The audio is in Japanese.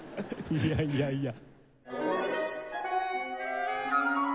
いやいやいや。